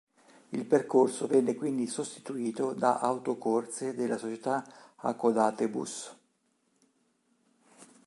Il percorso venne quindi sostituito da autocorse dalla società Hakodate Bus.